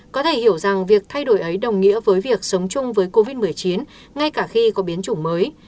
có thể hiểu rằng việc thay đổi ấy đồng nghĩa với việc sống chung với covid một mươi chín ngay cả khi có biến chủng mới